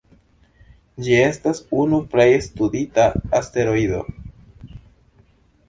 Ĝi estas unu plej studita asteroido.